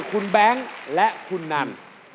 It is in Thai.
คุณแบงค์และคุณนัน